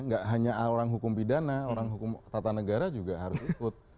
gak hanya orang hukum pidana orang hukum tata negara juga harus ikut